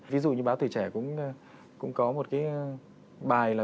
ví dụ như báo tuổi trẻ cũng có một cái bài là